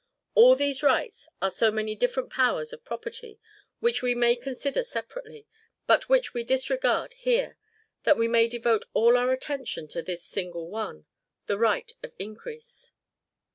All these rights are so many different powers of property, which we may consider separately; but which we disregard here, that we may devote all our attention to this single one, the right of increase.